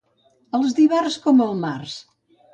Els d'Ivars, com el març.